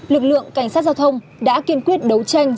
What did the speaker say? lực lượng cảnh sát giao thông đã kiên quyết đấu tranh